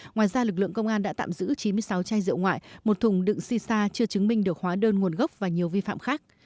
ngoài ra lực lượng công an đã tạm giữ chín mươi sáu chai rượu ngoại một thùng đựng xì xa chưa chứng minh được hóa đơn nguồn gốc và nhiều vi phạm khác